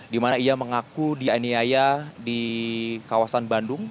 dimana ia mengaku dianiaya di kawasan bandung